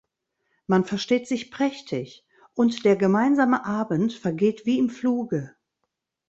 Man versteht sich prächtig und der gemeinsame Abend vergeht wie im Fluge.